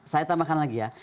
saya tambahkan lagi ya